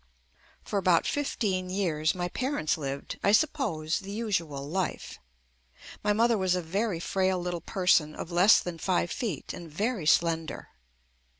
For about fifteen years my parents lived, I suppose, the usual life. My mother was a very frail little person of less than five feet and very slender.